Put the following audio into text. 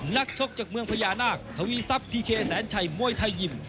นักชกจากเมืองพญานาคทวีทรัพย์พีเคแสนชัยมวยไทยยิม